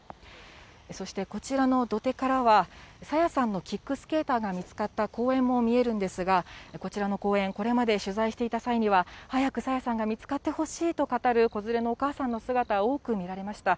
そしてこちらの土手からは、朝芽さんのキックスケーターが見つかった公園も見えるんですが、こちらの公園、これまで取材していた際には、早く朝芽さんが見つかってほしいと語る、子連れのお母さんの姿、多く見られました。